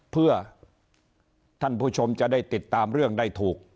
เพื่อท่านผู้ชมจะได้ติดตามเรื่องได้ถูก